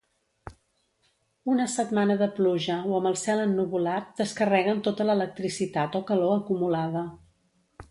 Una setmana de pluja o amb el cel ennuvolat descarreguen tota l'electricitat o calor acumulada.